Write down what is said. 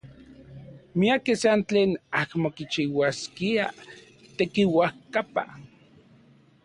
Miakej san tlen amo kichiuaskiaj tekiuajkapa.